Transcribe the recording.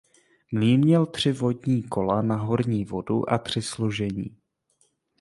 Mlýn měl tři vodní kola na horní vodu a tři složení.